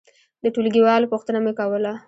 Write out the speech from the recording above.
د ټولګي والو پوښتنه مې کوله.